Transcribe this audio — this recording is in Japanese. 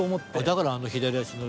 だからあの左足の。